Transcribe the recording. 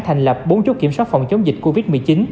thành lập bốn chốt kiểm soát phòng chống dịch covid một mươi chín